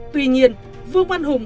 tuy nhiên vương văn hùng